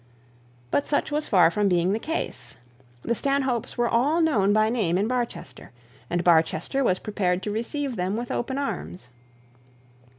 But such was far from being the case. The Stanhopes were all known by name in Barchester, and Barchester was prepared to receive them with open arms.